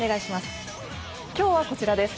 今日はこちらです。